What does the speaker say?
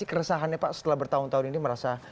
ini kolektif kolegial nggak bisa